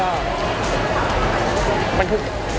มันคือ